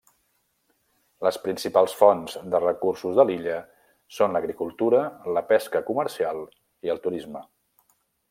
Les principals fonts de recursos de l'illa són l'agricultura, la pesca comercial i el turisme.